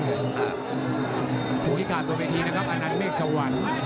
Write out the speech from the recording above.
คุณพิการตัวเวทีนะครับอันนั้นเมฆสวรรค์